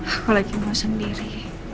aku lagi mau sendiri